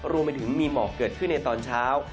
รวมไปถึงมีหมอกเกิดขึ้นในตอนเช้า